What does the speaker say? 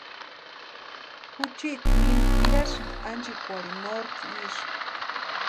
Juchiti mime nirasti anchikwarhini norte isï.